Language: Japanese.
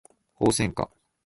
ホウセンカ